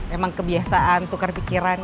emang kebiasaan tukar pikiran